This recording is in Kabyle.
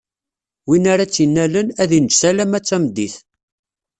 Win ara tt-innalen, ad inǧes alamma d tameddit.